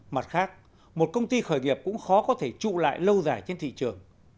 mặt khác một công ty khởi nghiệp cũng khó có thể trụ lại lâu dài trên thị trường